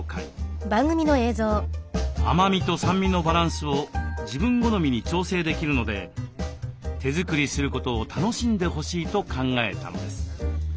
甘みと酸味のバランスを自分好みに調整できるので手作りすることを楽しんでほしいと考えたのです。